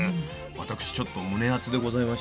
私ちょっと胸熱でございましたよ。